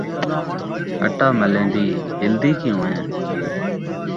اٹا ملیندی ہلدی کیوں ہیں؟